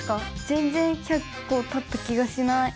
全然１００こたった気がしない。